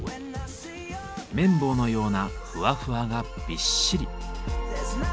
綿棒のようなふわふわがびっしり。